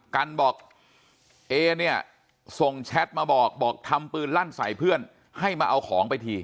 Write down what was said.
กันบอกเอเนี่ยส่งแชทมาบอกบอกทำปืนลั่นใส่เพื่อนให้มาเอาของไปที